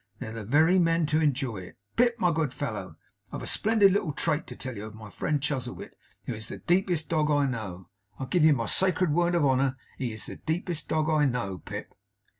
They're the very men to enjoy it. Pip, my good fellow, I've a splendid little trait to tell you of my friend Chuzzlewit who is the deepest dog I know; I give you my sacred word of honour he is the deepest dog I know, Pip!